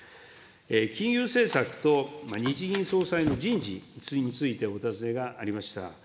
金融政策と日銀総裁の人事についてお尋ねがありました。